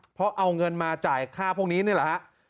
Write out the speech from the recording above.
เพราะเอาเงินมาจ่ายค่าพวกนี้นี่แหละฮะ